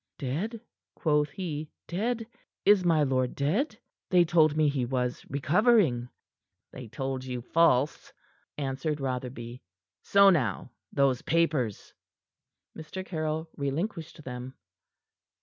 "Dead?" quoth he. "Dead? Is my lord dead? They told me he was recovering." "They told you false," answered Rotherby. "So now those papers!" Mr. Caryll relinquished them.